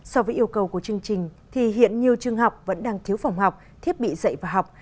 so với yêu cầu của chương trình thì hiện nhiều trường học vẫn đang thiếu phòng học thiết bị dạy và học